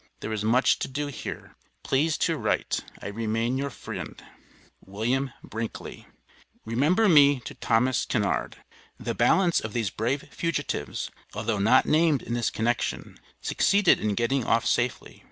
There is much to do her. Ples to wright, I Remain your frend, WILLIAM BRINKLY. Remember me to Thom. Kennard. The balance of these brave fugitives, although not named in this connection, succeeded in getting off safely.